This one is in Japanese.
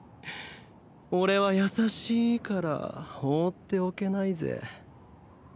俺は優しいから放っておけないぜ。